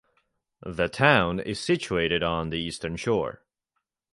The town is situated on the eastern shore.